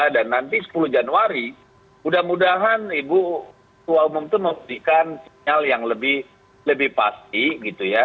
dan nanti sepuluh januari mudah mudahan ibu tua umum itu memberikan sinyal yang lebih pasti gitu ya